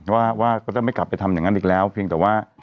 ว่าเขาจะไม่กลับไปทำอย่างนั้นอีกแล้วเพียงแต่ว่า